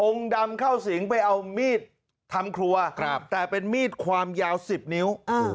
ดำเข้าสิงไปเอามีดทำครัวแต่เป็นมีดความยาว๑๐นิ้ว